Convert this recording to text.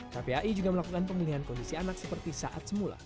kpai juga melakukan pemulihan kondisi anak seperti saat semula